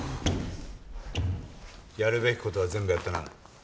やるべき事は全部やったな。